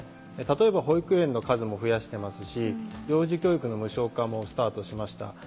例えば保育園の数も増やしてますし幼児教育の無償化もスタートしました。